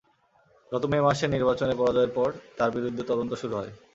গত মে মাসে নির্বাচনে পরাজয়ের পর তাঁর বিরুদ্ধে তদন্ত শুরু হয়।